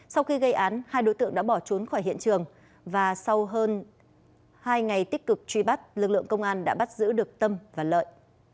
sau khi gây án hai đối tượng đã bỏ trốn khỏi hiện trường và sau hơn hai ngày tích cực truy bắt lực lượng công an đã bắt giữ được tâm và lợi